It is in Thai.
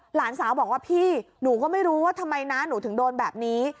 หลานสาวบอกว่าพี่หนูก็ไม่รู้ว่าทำไมน้าหนูถึงโดนแบบนี้